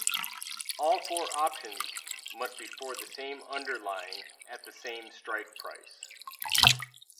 All four options must be for the same underlying at the same strike price.